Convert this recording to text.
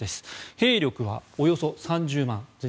兵力はおよそ３０万